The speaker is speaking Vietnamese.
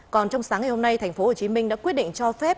còn trong sáng ngày hôm nay tp hcm đã quyết định cho phép